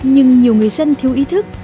nhưng nhiều người dân thiếu ý thức